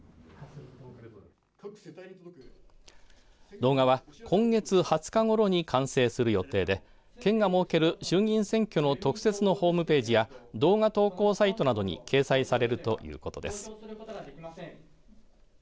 動画は、今月２０日ごろに完成する予定で県が設ける衆議院選挙の特設のホームページや動画投稿サイトなどに掲載されるということです。